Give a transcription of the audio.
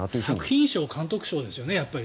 作品賞、監督賞ですよね。